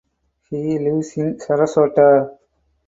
He lives in Sarasota.